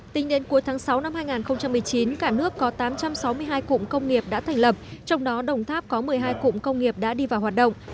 tính đến cuối tháng sáu năm hai nghìn một mươi chín cả nước có tám trăm sáu mươi hai cụm công nghiệp đã thành lập trong đó đồng tháp có một mươi hai cụm công nghiệp đã đi vào hoạt động